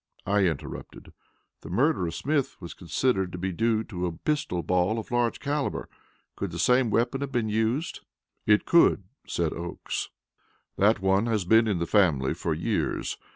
I interrupted: "The murder of Smith was considered to be due to a pistol ball of large calibre. Could the same weapon have been used?" "It could," said Oakes. "That one has been in the family for years.